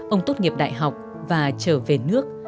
ông tốt nghiệp đại học và trở về nước